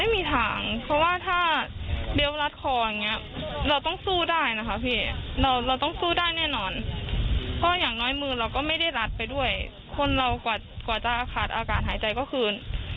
ไม่เชื่อค่ะไม่มีทางเพราะว่าท่าเดี๋ยวรัดคออย่างเงี้ย